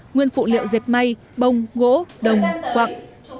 nguyên phụ liệu dệt may bông gỗ đồng quặc